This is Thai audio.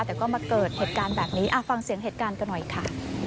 แต่ก็มาเกิดเหตุการณ์แบบนี้ฟังเสียงเหตุการณ์กันหน่อยค่ะ